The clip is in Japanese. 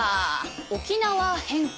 沖縄返還